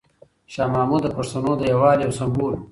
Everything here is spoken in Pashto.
شاه محمود د پښتنو د یووالي یو سمبول و.